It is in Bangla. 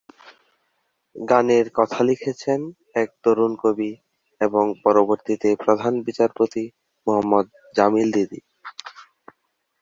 গানের কথা লিখেছেন এক তরুণ কবি এবং পরবর্তীতে প্রধান বিচারপতি মোহাম্মদ জামিল দিদি।